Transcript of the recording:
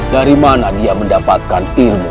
dari mana dia mendapatkan ilmu